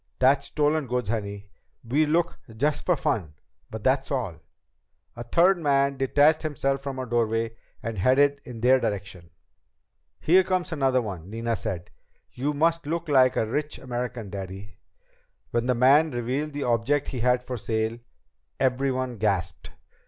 That's stolen goods, honey. We look just for fun. But that's all." A third man detached himself from a doorway and headed in their direction. "Here comes another one," Nina said. "You must look like a rich American, Daddy." When the man revealed the object he had for sale, everyone gasped.